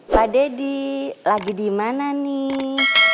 pak deddy lagi di mana nih